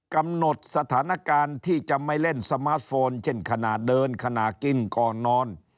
กำหนดสถานการณ์ที่จะไม่เล่นสมาร์ทโฟนเช่นขณะเดินขณะกินก่อนนอน